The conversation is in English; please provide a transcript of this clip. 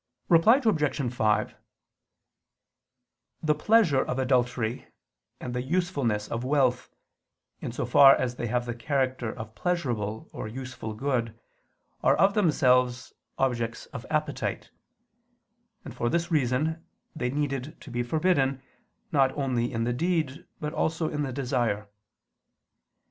Reply Obj. 5: The pleasure of adultery and the usefulness of wealth, in so far as they have the character of pleasurable or useful good, are of themselves, objects of appetite: and for this reason they needed to be forbidden not only in the deed but also in the desire.